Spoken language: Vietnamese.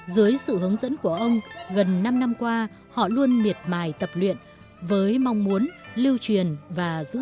dưới sự hướng dẫn của ông gần năm năm qua họ luôn miệt mài tập luyện với mong muốn lưu truyền và giữ gìn